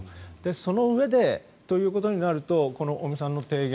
そのうえでということになると尾身さんの提言